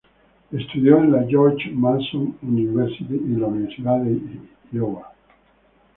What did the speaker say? Estudió en la George Mason University y en la Universidad de Iowa.